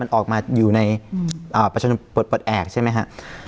มันออกมาอยู่ในประชาชนปลดปลดแอบใช่ไหมครับ